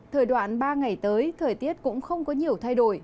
thời đoạn ba ngày tới thời tiết cũng không có nhiều thay đổi